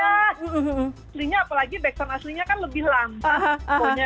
aslinya apalagi back tone aslinya kan lebih lambat